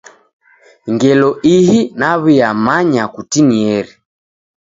Ngelo ihi, naw'uyamanya kutinieri.